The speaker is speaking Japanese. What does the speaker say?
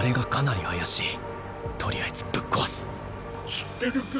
知ってるか？